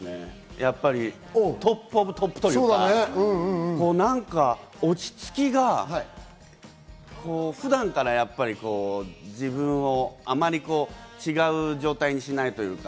やっぱりトップオブトップというか、なんか落ち着きが普段から自分をあまり違う状態にしないというか。